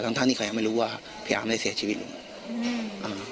ทั้งทั้งที่เขายังไม่รู้ว่าพี่อาร์มได้เสียชีวิตหรืออืมอ่า